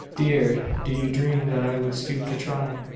Dear do you dream that I would stoop to try?